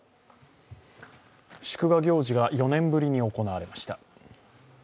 祝賀行事が４年ぶりに行われました。